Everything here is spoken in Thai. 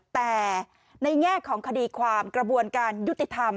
แต่ในแง่ของคดีความกระบวนการยุติธรรม